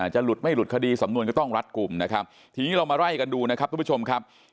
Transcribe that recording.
จะหลุดไม่หลุดคดีสำนวนก็ต้องรัดกลุ่มนะครับทีนี้เรามาไล่กันดูนะครับทุกผู้ชมครับ